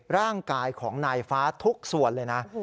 ร่างกายของนายฟ้าทุกส่วนเลยนะ